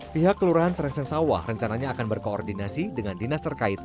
pihak kelurahan serengseng sawah rencananya akan berkoordinasi dengan dinas terkait